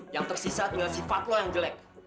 yang tersisa tinggal sifat lo yang jelek